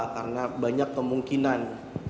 karena banyak kemungkinan